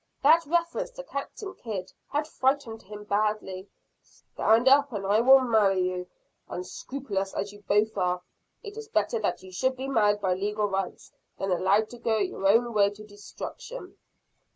That reference to Captain Kidd had frightened him badly. "Stand up and I will marry you. Unscrupulous as you both are, it is better that you should be married by legal rites, than allowed to go your own way to destruction."